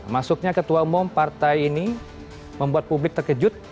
masuknya ketua umum partai ini membuat publik terkejut